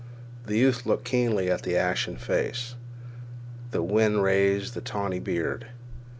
The youth looked keenly at the ashen face. The wind raised the tawny beard.